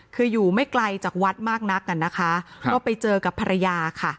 คืออยู่ไม่ไกลจากวัดมากนักอ่ะนะคะก็ไปเจอกับภรรยาค่ะ